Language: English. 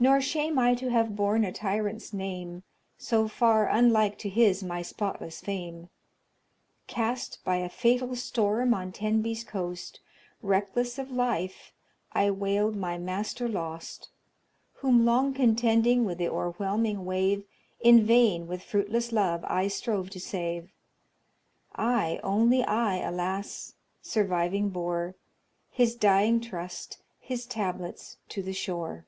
Nor shame I to have borne a tyrant's name, So far unlike to his my spotless fame. Cast by a fatal storm on Tenby's coast, Reckless of life, I wailed my master lost. Whom long contending with the o'erwhelming wave In vain with fruitless love I strove to save. I, only I, alas! surviving bore, His dying trust, his tablets,[M] to the shore.